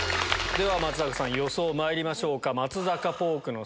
では松坂さん予想まいりましょうか。